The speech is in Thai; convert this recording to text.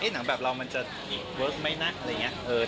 หนังแบบเรามันจะเวิร์สไหมนะอะไรอย่างนี้